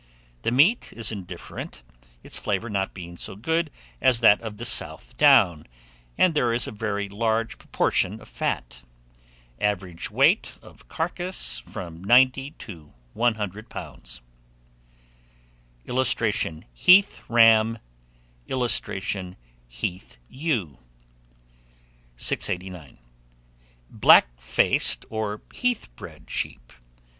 The meat is indifferent, its flavour not being so good as that of the South Down, and there is a very large proportion of fat. Average weight of carcase from 90 to 100 lbs. [Illustration: HEATH RAM.] [Illustration: HEATH EWE.] 689. BLACK FACED, on HEATH BRED SHEEP.